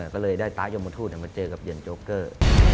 ก็เลยได้ตายมทูตมาเจอกับเย็นโจ๊กเกอร์